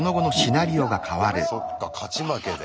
そっか勝ち負けで。